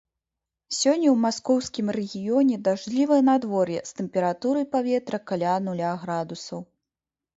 Сёння ў маскоўскім рэгіёне дажджлівае надвор'е з тэмпературай паветра каля нуля градусаў.